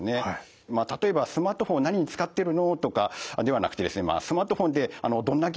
例えば「スマートフォンを何に使ってるの？」とかではなくてですね「スマートフォンでどんなゲームをしてるの？」